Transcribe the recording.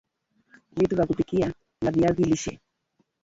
vitu vya kupikia la viazi lishe